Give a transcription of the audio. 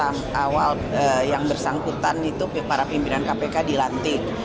ini sudah dijadwalkan lama dari awal yang bersangkutan itu para pimpinan kpk dilantik